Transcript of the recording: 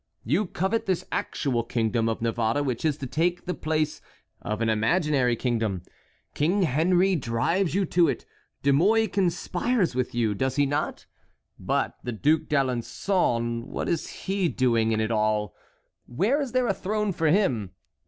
You covet this actual kingdom of Navarre which is to take the place of an imaginary kingdom. King Henry drives you to it; De Mouy conspires with you, does he not? But the Duc d'Alençon, what is he doing in it all? Where is there a throne for him?